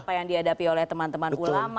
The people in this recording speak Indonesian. apa yang dihadapi oleh teman teman ulama